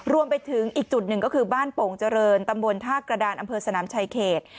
รวมไปถึงอีกจุดหนึ่งก็คือบ้านโป่งเจริญตำบลท่ากระดานอำเภอสนามชายเขต